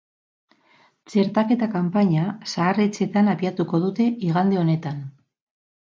Txertaketa kanpaina zahar-etxeetan abiatuko dute igande honetan.